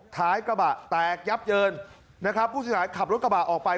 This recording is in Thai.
ท้ายกระบะแตกยับเยินนะครับผู้เสียหายขับรถกระบะออกไป